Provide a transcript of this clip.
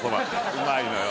うまいのよ